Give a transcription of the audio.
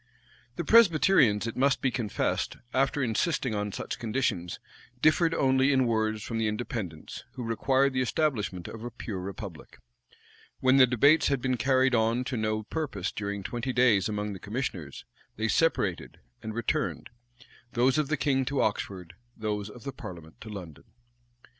Dugdale, p. 737. The Presbyterians, it must be confessed, after insisting on such conditions, differed only in words from the Independents, who required the establishment of a pure republic. When the debates had been carried on to no purpose during twenty days among the commissioners, they separated, and returned; those of the king to Oxford, those of the parliament to London.